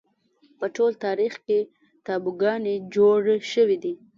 په ټول تاریخ کې تابوگانې جوړې شوې دي